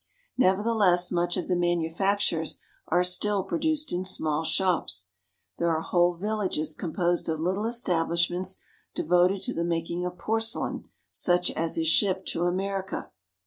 Nevertheless, much of the manufactures are still pro duced in small shops. There are whole villages composed of little establishments devoted to the making of porcelain such as is shipped to America.